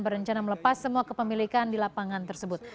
berencana melepas semua kepemilikan di lapangan tersebut